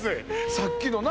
さっきのな